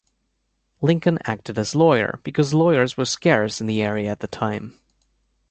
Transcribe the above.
Lincoln acted as lawyer because lawyers were scarce in the area at the time.